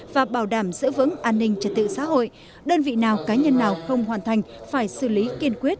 và bảo đảm giữ vững an ninh trật tự xã hội đơn vị nào cá nhân nào không hoàn thành phải xử lý kiên quyết